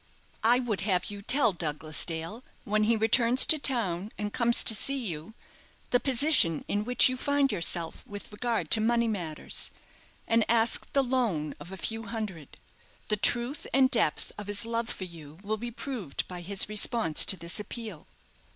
"I would have you tell Douglas Dale, when he returns to town and comes to see you, the position in which you find yourself with regard to money matters, and ask the loan of a few hundreds. The truth and depth of his love for you will be proved by his response to this appeal."